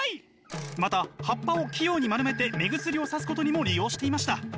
また葉っぱを器用に丸めて目薬をさすことにも利用していました。